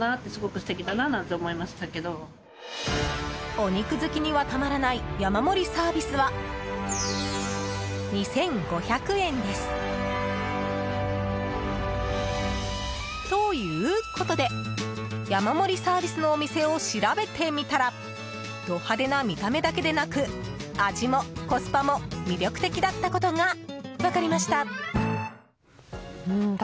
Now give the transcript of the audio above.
お肉好きにはたまらない山盛りサービスは２５００円です。ということで山盛りサービスのお店を調べてみたらド派手な見た目だけでなく味もコスパも魅力的だったことが分かりました。